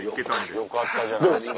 よかったじゃないですか。